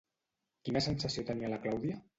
Quina sensació tenia la Clàudia?